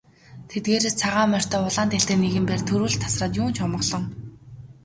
Тэдгээрээс цагаан морьтой улаан дээлтэй нэгэн бээр түрүүлж тасраад тун ч омголон.